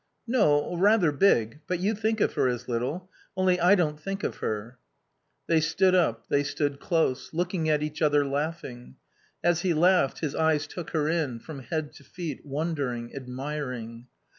"No, rather big. But you think of her as little. Only I don't think of her." They stood up; they stood close; looking at each other, laughing. As he laughed his eyes took her in, from head to feet, wondering, admiring.